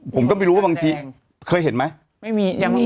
ผมก็ไม่รู้ว่าบางทีเคยเห็นไหม